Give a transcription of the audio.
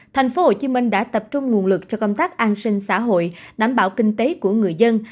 tp hcm đã tập trung nguồn lực cho công tác an sinh xã hội đảm bảo kinh tế của người dân